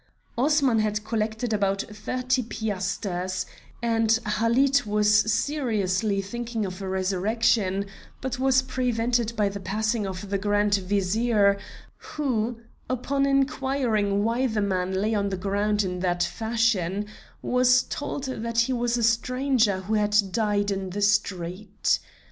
Osman had collected about thirty piasters, and Halid was seriously thinking of a resurrection, but was prevented by the passing of the Grand Vizier, who, upon inquiring why the man lay on the ground in that fashion, was told that he was a stranger who had died in the street.